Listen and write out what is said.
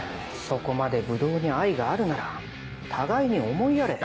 そこまでブドウに愛があるなら互いに思いやれ。